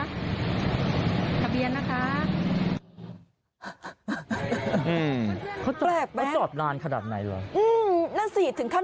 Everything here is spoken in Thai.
ที่เขาเบียนนะคะอย่างและไม้สอบด่านขนาดไหนหรออาจจะสีถึงข้าง